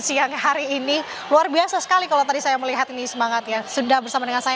siang hari ini luar biasa sekali kalau tadi saya melihat ini semangatnya sudah bersama dengan saya